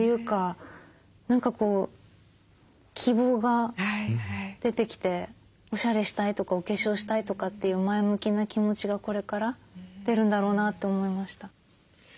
何かこう希望が出てきておしゃれしたいとかお化粧したいとかっていう前向きな気持ちがこれから出るんだろうなと思いました。